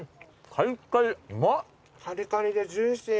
カリカリでジューシー。